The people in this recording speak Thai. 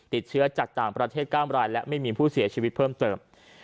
ติดเชื้อจากต่างประเทศ๙รายและไม่มีผู้เสียชีวิตเพิ่มเติม